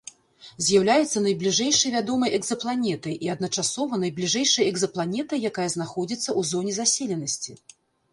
З'яўляецца найбліжэйшай вядомай экзапланетай і адначасова найбліжэйшай экзапланетай, якая знаходзіцца ў зоне заселенасці.